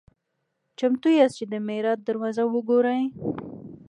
"چمتو یاست چې د معراج دروازه وګورئ؟"